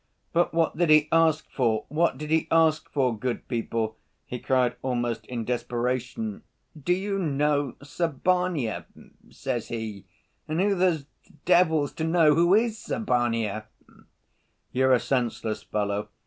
"But what did he ask for, what did he ask for, good people?" he cried almost in desperation. " 'Do you know Sabaneyev?' says he. And who the devil's to know who is Sabaneyev?" "You're a senseless fellow.